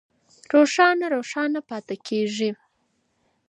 ښارونه روښانه پاتې کېږي.